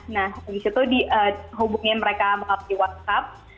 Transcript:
nah habis itu hubungannya mereka di whatsapp